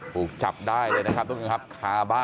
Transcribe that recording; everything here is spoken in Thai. ท้าบ้านเลยนะครับ